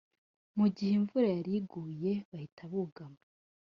Mu gihe imvura yari iguye bahita bugama